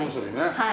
はい。